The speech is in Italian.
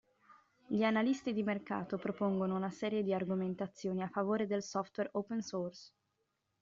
Gli analisti di mercato propongono una serie di argomentazioni a favore del software open source.